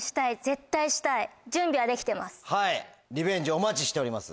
リベンジお待ちしております